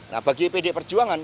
nah bagi pd perjuangan